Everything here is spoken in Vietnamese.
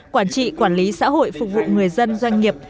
quản trị quản lý xã hội phục vụ người dân doanh nghiệp